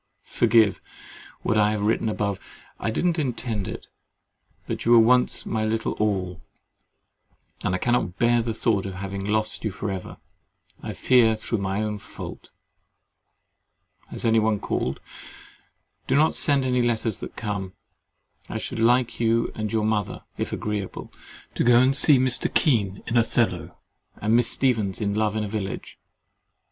—Forgive what I have written above; I did not intend it: but you were once my little all, and I cannot bear the thought of having lost you for ever, I fear through my own fault. Has any one called? Do not send any letters that come. I should like you and your mother (if agreeable) to go and see Mr. Kean in Othello, and Miss Stephens in Love in a Village.